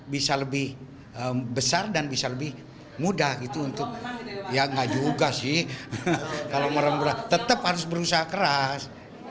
bisa lebih besar dan bisa lebih mudah gitu untuk ya nggak juga sih kalau meremberah tetap harus berusaha keras